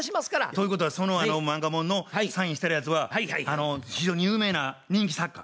ということはその漫画本のサインしてあるやつは非常に有名な人気作家？